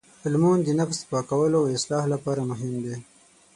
لمونځ د نفس پاکولو او اصلاح لپاره مهم دی.